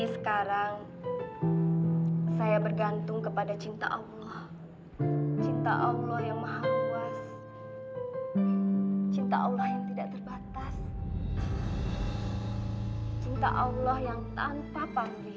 hai sekarang saya bergantung kepada cinta allah cinta allah yang maha kuas cinta allah yang tidak terbatas cinta allah yang tanpa panggih